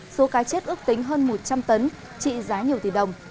số cá chết ước tính hơn một trăm linh tấn trị giá nhiều tỷ đồng